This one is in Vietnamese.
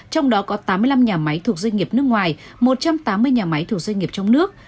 trong đó có tám mươi năm nhà máy thuộc doanh nghiệp nước ngoài một trăm tám mươi nhà máy thuộc doanh nghiệp trong nước